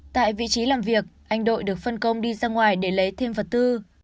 tại vị trí làm việc anh đội được phân công đi ra ngoài để lấy thêm vật tư